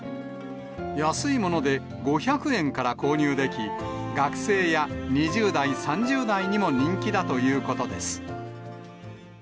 安いもので、５００円から購入でき、学生や２０代３０代にも人気だということです。